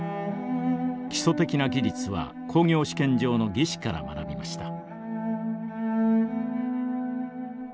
基礎的な技術は工業試験場の技師から学びました。